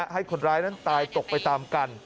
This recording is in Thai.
ให้คนร้ายนั้นตายตกไปตามกัน